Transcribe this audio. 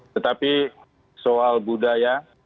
tetapi soal budaya